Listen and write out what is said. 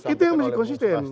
itu yang harus konsisten